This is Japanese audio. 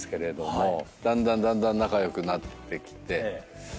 だんだんだんだん仲良くなってきて。